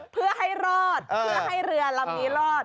เพื่อให้รอดเพื่อให้เรือลำนี้รอด